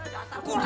dasar gurap man